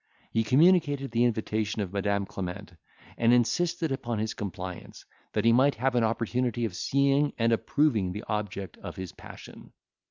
He communicated the invitation of Madam Clement, and insisted upon his compliance, that he might have an opportunity of seeing and approving the object of his passion.